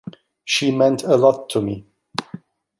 She meant a lot to me.